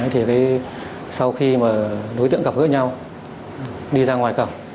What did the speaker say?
thì sau khi mà đối tượng gặp gỡ nhau đi ra ngoài cổng